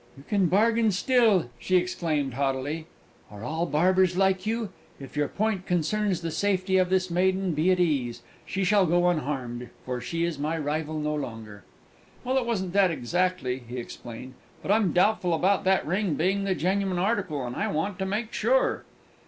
"You can bargain still!" she exclaimed haughtily. "Are all barbers like you? If your point concerns the safety of this maiden, be at ease; she shall go unharmed, for she is my rival no longer!" "Well, it wasn't that exactly," he explained; "but I'm doubtful about that ring being the genuine article, and I want to make sure."